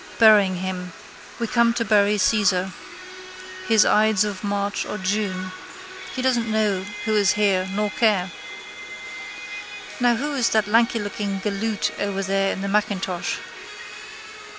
Burying him. We come to bury Cæsar. His ides of March or June. He doesn't know who is here nor care. Now who is that lankylooking galoot over there in the macintosh?